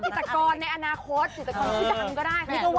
ศิลปะศิลปะศิลปะศิลปะศิลปะศิลปะศิลปะศิลปะศิลปะ